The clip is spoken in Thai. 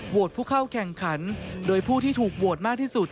ผู้เข้าแข่งขันโดยผู้ที่ถูกโหวตมากที่สุด